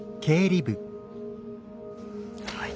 はい。